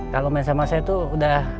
kalau main sama saya tuh udah